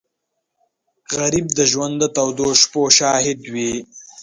غریب د ژوند د تودو شپو شاهد وي